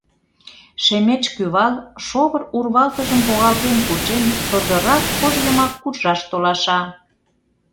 Шемеч кӱвал, шовыр урвалтыжым погалтен кучен, содоррак кож йымак куржаш толаша.